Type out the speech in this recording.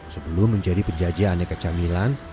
sebelum menjadi penjajah aneka camilan